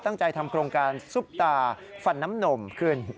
ตั้งใจทำโครงการซุปตาฟันน้ำนมขึ้น